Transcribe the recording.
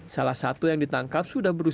salah satu adalah yang dikenal sebagai penyakit